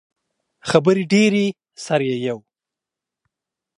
خبرې ډیرې سر ئې یؤ